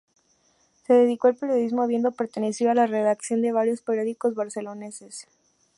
Se dedicó al periodismo, habiendo pertenecido a la redacción de varios periódicos barceloneses.